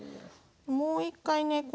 もう１回ね